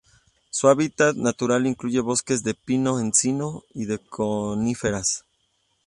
Su hábitat natural incluye bosques de pino-encino y de coníferas.